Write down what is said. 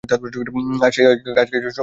আর সেই গাছগাছালির সংখ্যা অগণিত!